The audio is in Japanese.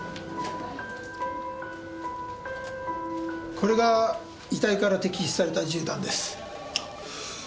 これが遺体から摘出された銃弾です。